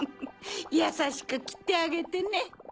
やさしくきってあげてね。